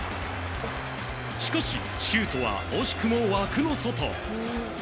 しかし、シュートは惜しくも枠の外。